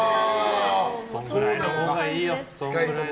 そんぐらいのほうがいいよ。